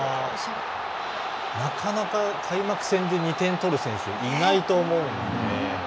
なかなか開幕戦で２点取る選手はいないと思うので。